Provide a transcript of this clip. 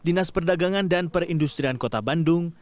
dinas perdagangan dan perindustrian kota bandung